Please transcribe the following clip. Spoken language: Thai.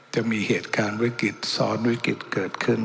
จะมีเหตุการณ์วิกฤตซ้อนวิกฤตเกิดขึ้น